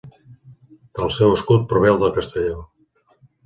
Del seu escut prové el de Castelló.